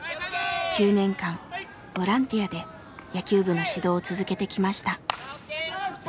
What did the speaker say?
９年間ボランティアで野球部の指導を続けてきました。